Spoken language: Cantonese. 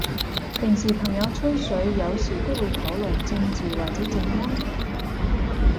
平時朋友吹水，有時都會討論正字或者正音？